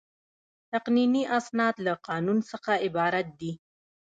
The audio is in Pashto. تقنیني اسناد له قانون څخه عبارت دي.